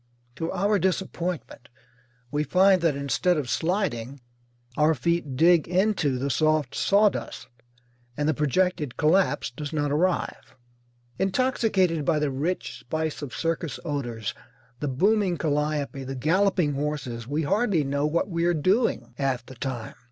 To our disappointment we find that instead of sliding our feet dig into the soft sawdust, and the projected collapse does not arrive. Intoxicated by the rich spice of circus odours, the booming calliope, the galloping horses, we hardly know what we are doing half the time.